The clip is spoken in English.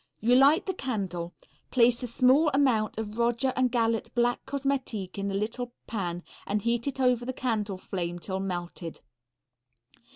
You light the candle, place a small amount of Roger and Gallet black cosmetique in the little pan and heat it over the candle flame till melted.